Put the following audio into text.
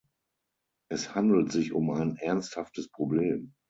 Es handelt sich um ein ernsthaftes Problem.